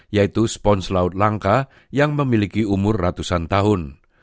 yaitu spons laut langka yang memiliki umur ratusan tahun